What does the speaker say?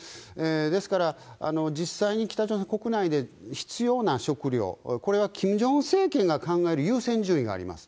ですから、実際に北朝鮮国内で必要な食糧、これはキム・ジョンウン政権が考える優先順位があります。